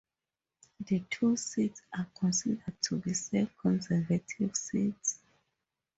The two seats are considered to be safe Conservative seats.